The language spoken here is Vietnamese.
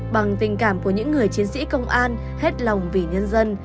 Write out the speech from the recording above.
bằng tình cảm của những người chiến sĩ công an hết lòng vì nhân dân